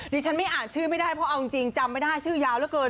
ดิฉันไม่อ่านชื่อไม่ได้เพราะเอาจริงจำไม่ได้ชื่อยาวเหลือเกิน